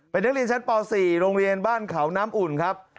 เป็นนักเรียนชั้นป๔โรงเรียนบ้านเขาน้ำอุ่นครับ